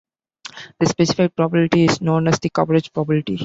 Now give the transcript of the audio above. The specified probability is known as the coverage probability.